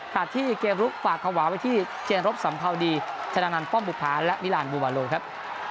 ตัดที่เกมลุกฝากความหวานไว้ที่เชียงรบสำเภาดีชะดังนั้นป้อมบุภาและนิราณบูบาโลย์ครับ